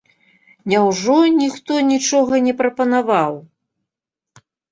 Няўжо ніхто нічога не прапанаваў?